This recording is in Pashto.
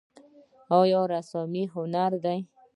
آیا رسامي هنر دی؟